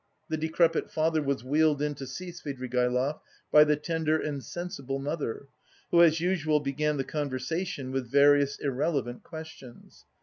The decrepit father was wheeled in to see Svidrigaïlov by the tender and sensible mother, who as usual began the conversation with various irrelevant questions.